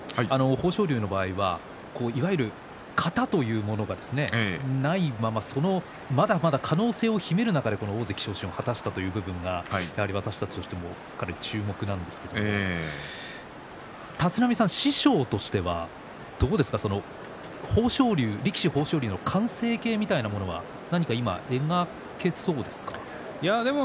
豊昇龍の場合はいわゆる型というものがないまままだまだ可能性を秘める中で大関昇進を果たしたという部分が私たちとしても注目なんですが師匠としては豊昇龍豊昇龍の完成形みたいなものは描けそうですか？